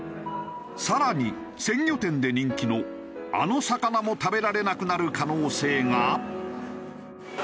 更に鮮魚店で人気のあの魚も食べられなくなる可能性が。